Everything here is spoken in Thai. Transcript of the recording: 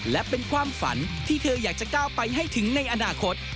และเป็นความฝันที่เธออยากจะก้าวไปให้ถึงในอนาคต